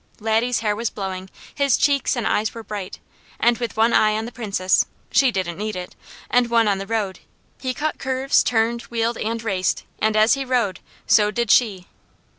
Laddie's hair was blowing, his cheeks and eyes were bright, and with one eye on the Princess she didn't need it and one on the road, he cut curves, turned, wheeled, and raced, and as he rode, so did she.